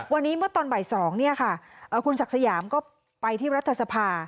วันนี้เมื่อตอนบ่าย๒คุณศักดิ์สยามก็ไปที่รัฐสภา